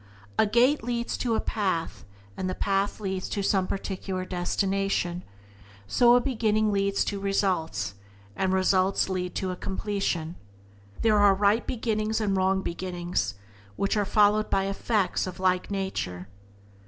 A gate leads to a path, and the path leads to some particular destination; so a beginning leads to results, and results lead to a completion. There are right beginnings and wrong beginnings, which are followed by effects of a like nature.